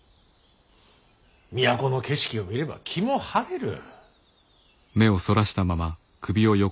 都の景色を見れば気も晴れる。